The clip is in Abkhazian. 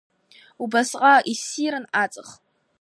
Убасҟак иссирын аҵых.